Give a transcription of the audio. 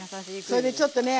それでちょっとね